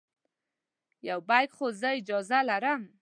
یو بیک خو زه اجازه لرم.